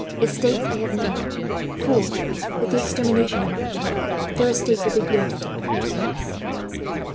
Estates I have none; for, with the extermination of our people, their estates will be granted to others."